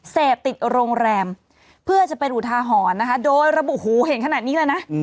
เสพติดโรงแรมเพื่อจะเป็นอุทาหรณ์นะคะโดยระบุหูเห็นขนาดนี้เลยนะ